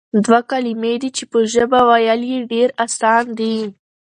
دوه کلمې دي چې په ژبه ويل ئي ډېر آسان دي،